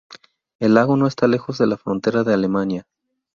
El lago no está lejos de la frontera de Alemania.